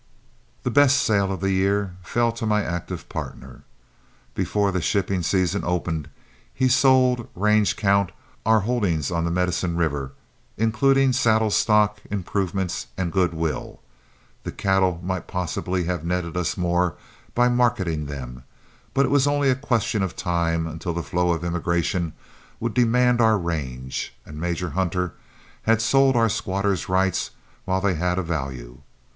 The best sale of the year fell to my active partner. Before the shipping season opened, he sold, range count, our holdings on the Medicine River, including saddle stock, improvements, and good will. The cattle might possibly have netted us more by marketing them, but it was only a question of time until the flow of immigration would demand our range, and Major Hunter had sold our squatter's rights while they had a value.